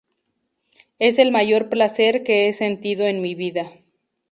Es el mayor placer que he sentido en mi vida.